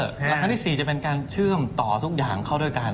ครั้งที่๔จะเป็นการเชื่อมต่อทุกอย่างเข้าด้วยกัน